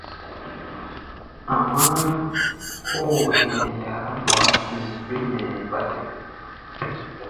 Amáá, kóo hɛ̧ɛ̧ yará ndɔra ɗoŋ bêm hɛ̧ɛ̧ bátɛ.